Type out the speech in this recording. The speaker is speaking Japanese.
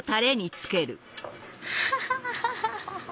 ハハハハハ！